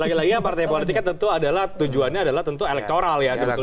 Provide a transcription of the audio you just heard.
lagi lagi partai politiknya tentu adalah tujuannya adalah tentu elektoral ya sebetulnya